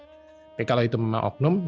tapi kalau itu memang oknum